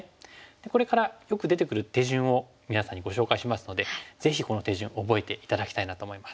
これからよく出てくる手順を皆さんにご紹介しますのでぜひこの手順覚えて頂きたいなと思います。